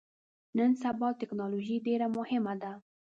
نن سبا ټکنالوژي ډیره مهمه ده